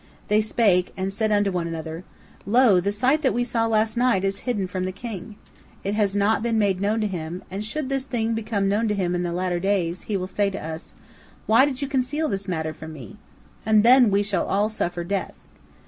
They spake, and said to one another: "Lo, the sight that we saw last night is hidden from the king, it has not been made known to him, and should this thing become known to him in the latter days, he will say to us, Why did you conceal this matter from me? and then we shall all suffer death.